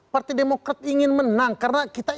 partai demokrat ingin menang karena kita